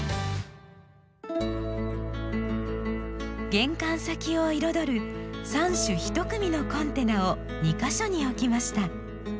玄関先を彩る３種１組のコンテナを２か所に置きました。